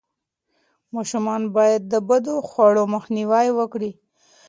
ماشومان باید د بدخواړو مخنیوی وکړي.